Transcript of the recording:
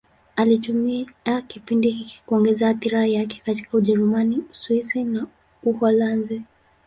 Alitumia kipindi hiki kuongeza athira yake katika Ujerumani, Uswisi na Uholanzi.